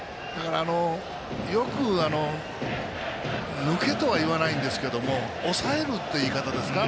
よく、抜けとはいわないんですが抑えるという言い方ですか。